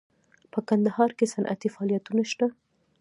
په کندهار کې صنعتي فعالیتونه شته